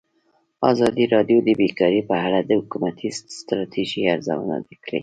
ازادي راډیو د بیکاري په اړه د حکومتي ستراتیژۍ ارزونه کړې.